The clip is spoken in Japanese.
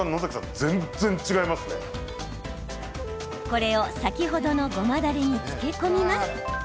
これを先ほどのごまだれに漬け込みます。